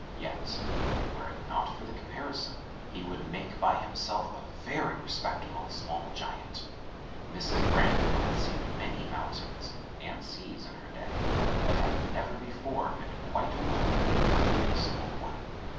Yet, were it not for the comparison, he would make, by himself, a very respectable small giant. Mrs. Bran don had seen many mountains and seas in her day, but had never before been quite alone with even a small one.